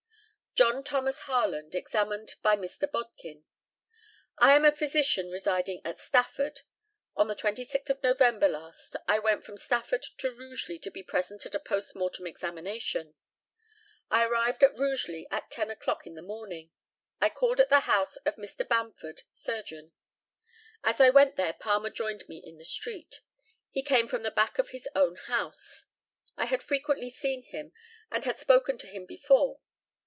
JOHN THOMAS HARLAND, examined by Mr. BODKIN: I am a physician residing at Stafford. On the 26th of November last I went from Stafford to Rugeley, to be present at a post mortem examination. I arrived at Rugeley at ten o'clock in the morning. I called at the house of Mr. Bamford, surgeon. As I went there Palmer joined me in the street. He came from the back of his own house. I had frequently seen him and had spoken to him before.